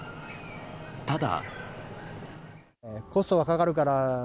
ただ。